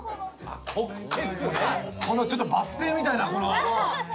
このちょっとバス停みたいな。